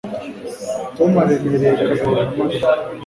Tom aremereye kabiri nka Mariya